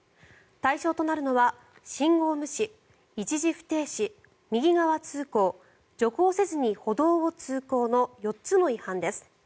対象となるのは信号無視、一時不停止右側通行徐行せずに歩道を通行の４つの違反です。